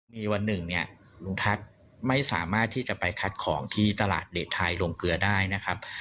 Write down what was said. มีวันหนึ่งเนี่ยลุงทัศน์ไม่สามารถที่จะไปคัดของที่ตลาดเดชไทยลงเกลือได้นะครับ